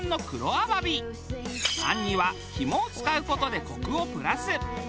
餡には肝を使う事でコクをプラス。